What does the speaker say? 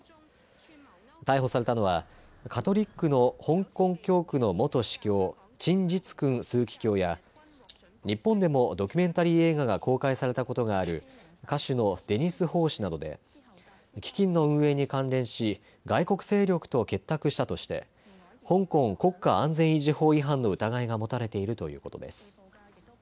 逮捕されたのはカトリックの香港教区の元司教陳日君枢機卿や日本でもドキュメンタリー映画が公開されたことがある歌手のデニス・ホー氏などで基金の運営に関連し外国勢力と結託したとして香港国家安全維持法違反の疑いが持たれているということです。